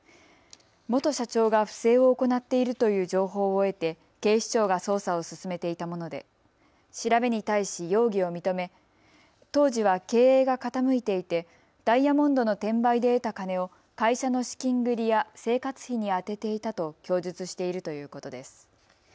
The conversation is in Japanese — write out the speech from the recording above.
元社長が不正を行っているという情報を得て警視庁が捜査を進めていたもので調べに対し容疑を認め当時は経営が傾いていてダイヤモンドの転売で得た金を会社の資金繰りや生活費に充てていたと供述しているということです。